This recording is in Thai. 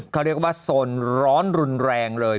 เขาเรียกว่าโซนร้อนรุนแรงเลย